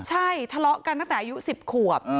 ใช่ทะเลาะกันตั้งแต่อายุ๑๐ขวบ